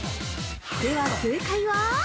では、正解は？